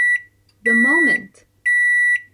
The Moment!